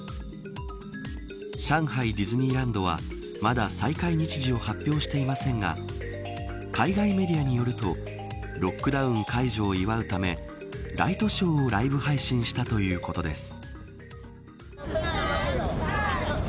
上海ディズニーランドはまだ再開日時を発表していませんが海外メディアによるとロックダウン解除を祝うためライトショーをライブ配信したということです。